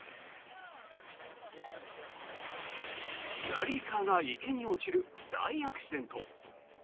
ラリーカーが池に落ちる大アクシデント。